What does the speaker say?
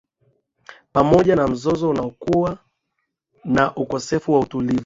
Pamoja na mzozo unaokua na ukosefu wa utulivu